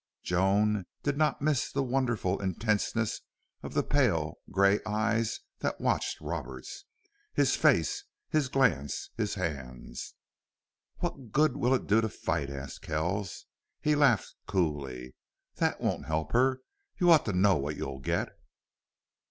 Joan did not miss the wonderful intentness of the pale gray eyes that watched Roberts his face, his glance, his hands. "What good will it do to fight?" asked Kells. He laughed coolly. "That won't help her... You ought to know what you'll get."